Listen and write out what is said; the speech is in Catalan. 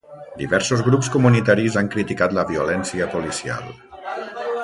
Diversos grups comunitaris han criticat la violència policial.